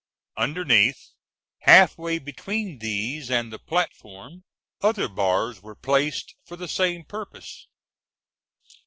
Underneath, half way between these and the platform, other bars were placed for the same purpose.